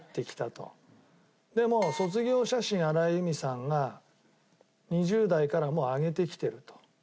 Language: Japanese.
でもう『卒業写真』荒井由実さんが２０代から上げてきてると。